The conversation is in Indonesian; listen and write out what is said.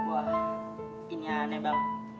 wah ini aneh bang